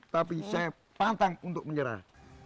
tapi saya pantang untuk menyerah